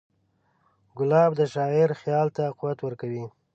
ګلاب د شاعر خیال ته قوت ورکوي.